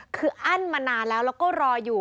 คืออั้นมานานแล้วแล้วก็รออยู่